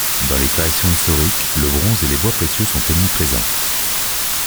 Dans les créations historiques, le bronze et les bois précieux sont omniprésents.